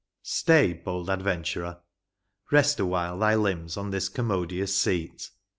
Stay, bold Adventurer ; rest awhile thy limbs On this commodious Seat